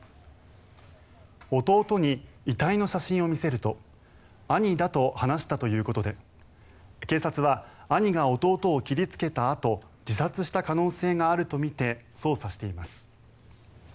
弟に遺体の写真を見せると兄だと話したということで警察は、兄が弟を切りつけたあと自殺した可能性があるとみて捜査しています。